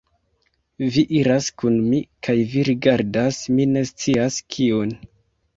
Vi iras kun mi, kaj vi rigardas mi ne scias kiun.